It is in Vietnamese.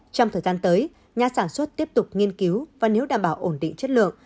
trong thời gian tới nhà sản xuất tiếp tục nghiên cứu và nếu đảm bảo ổn định chất lượng